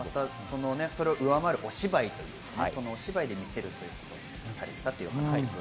それを上回るお芝居で見せるということもされていたということです。